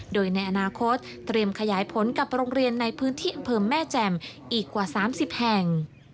โดยในอนาคตเตรียมขยายผลกับโรงเรียนในพื้นที่อำเภอแม่แจ่มอีกกว่า๓๐แห่ง